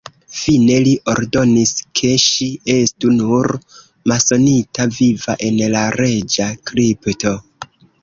Fine li ordonis, ke ŝi estu "nur" masonita viva en la reĝa kripto.